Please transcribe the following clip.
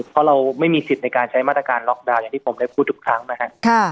เพราะเราไม่มีสิทธิ์ในการใช้มาตรการล็อกดาวน์อย่างที่ผมได้พูดทุกครั้งนะครับ